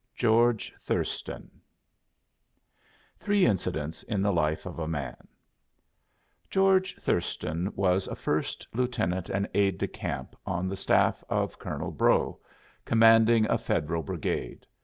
GEORGE THURSTON THREE INCIDENTS IN THE LIFE OF A MAN George Thurston was a first lieutenant and aide de camp on the staff of Colonel Brough, commanding a Federal brigade.